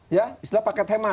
ya istilah paket hemat